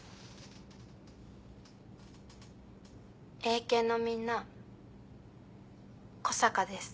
映研のみんな小坂です。